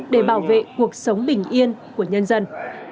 để bảo vệ cuộc sống bình yên của nhân dân